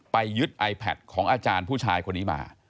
ไปยึดไอแพทของอาจารย์ผู้ชายคนนี้มา